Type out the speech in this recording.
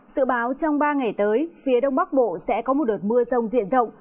sự báo trong ba ngày tới phía đông bắc bộ sẽ có một đợt mưa rông diện rộng